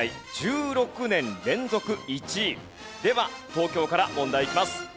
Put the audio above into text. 東京から問題いきます。